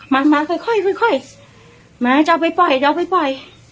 มามาค่อยค่อยมาจะเอาไปปล่อยจะเอาไปปล่อย